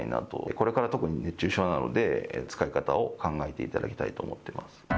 これから特に熱中症なので、使い方を考えていただきたいと思ってます。